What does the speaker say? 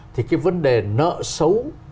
thì cái vấn đề nợ xấu